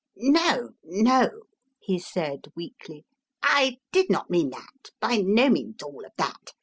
"No! No!" he said weakly. "I did not mean that by no means all of that.